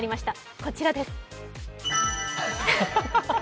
こちらです。